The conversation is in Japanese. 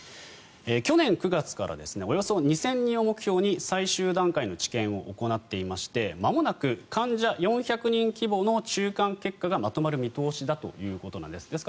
去年９月からおよそ２０００人を目標に最終段階の治験を行っていましてまもなく患者４００人規模の中間結果がまとまる見通しだということなんです。